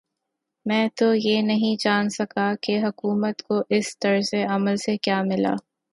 میں تو یہ نہیں جان سکا کہ حکومت کو اس طرز عمل سے کیا ملا؟